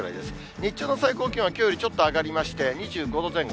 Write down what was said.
日中の最高気温は、きょうよりちょっと上がりまして２５度前後。